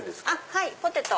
はいポテト。